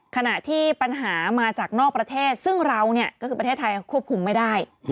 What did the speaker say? ขณะที่ปัญหามาจากนอกประเทศซึ่งเราเนี่ยก็คือประเทศไทยควบคุมไม่ได้